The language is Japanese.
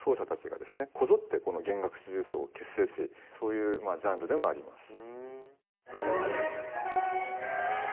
こぞってこの弦楽四重奏を結成しそういうジャンルでもあります。